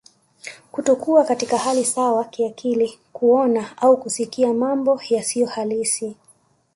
Kutokuwa katika hali sawa kiakili kuona au kusikia mambo yasiyohalisi